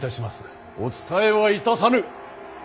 お伝えはいたさぬ。